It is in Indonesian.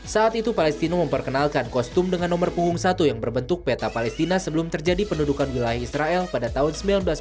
saat itu palestina memperkenalkan kostum dengan nomor punggung satu yang berbentuk peta palestina sebelum terjadi pendudukan wilayah israel pada tahun seribu sembilan ratus sembilan puluh